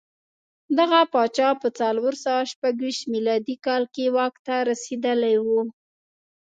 دغه پاچا په څلور سوه شپږ ویشت میلادي کال کې واک ته رسېدلی و.